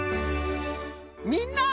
みんな！